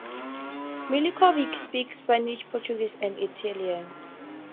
Milinkovic speaks Spanish, Portuguese and Italian.